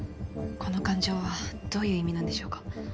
この感情はどういう意味なんでしょうか？